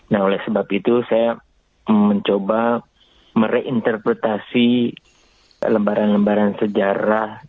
nah oleh sebab itu saya mencoba mereinterpretasi lembaran lembaran sejarah